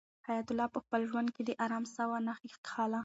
حیات الله په خپل ژوند کې د آرام ساه ونه کښله.